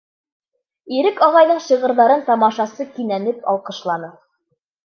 Ирек ағайҙың шиғырҙарын тамашасы кинәнеп алҡышланы.